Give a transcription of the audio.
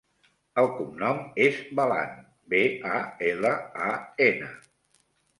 El cognom és Balan: be, a, ela, a, ena.